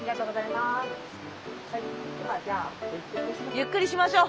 ゆっくりしましょう。